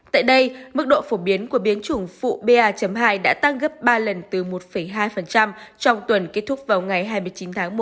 tại đây mức độ phổ biến của biến chủng phụ ba hai đã tăng gấp ba lần từ một hai trong tuần kết thúc vào ngày hai mươi chín tháng một